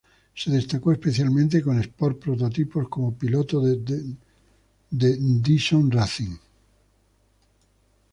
Se destacó especialmente con sport prototipos como piloto de Dyson Racing.